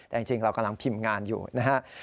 แต่จริงเรากำลังพิมพ์งานอยู่นะฮะ